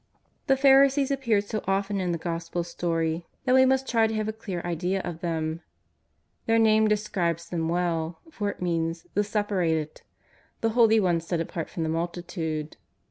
The Pharisees aj^pear so often in the Gospel story that JESUS OF NAZARETH. 113 we must try to have a clear idea of them. Their name describes them well, for it means'' the Separated," the holy ones set apart from the multitude.